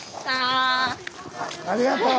ありがとう！